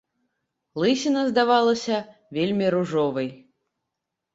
Лысіна здавалася вельмі ружовай.